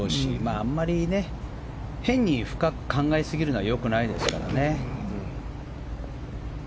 あんまり変に深く考えすぎるのは良くないですからね。